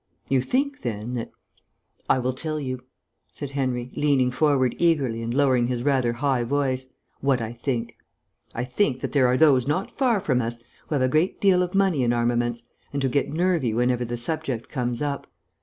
You think then, that " "I will tell you," said Henry, leaning forward eagerly and lowering his rather high voice, "what I think. I think that there are those not far from us who have a great deal of money in armaments, and who get nervy whenever the subject comes up.